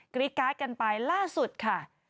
กรี๊ดการ์ดกันไปล่าสุดค่ะ